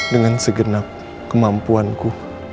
dengan segenap kemampuanku